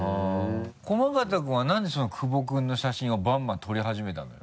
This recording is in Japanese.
駒形君はなんで久保君の写真をバンバン撮り始めたのよ？